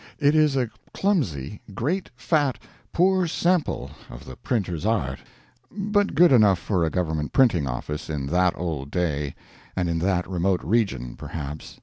It is a clumsy, great, fat, poor sample of the printer's art, but good enough for a government printing office in that old day and in that remote region, perhaps.